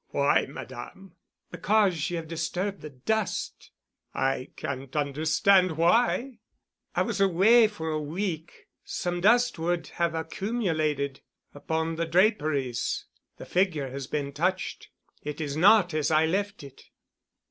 "Why, Madame?" "Because you have disturbed the dust." "I can't understand why——" "I was away for a week. Some dust would have accumulated, upon the draperies—the figure has been touched. It is not as I left it."